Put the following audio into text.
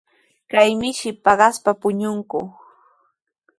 Kay mishi paqaspa puñunku.